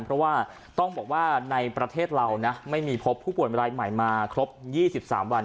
เพราะว่าต้องบอกว่าในประเทศเรานะไม่มีพบผู้ป่วยรายใหม่มาครบ๒๓วัน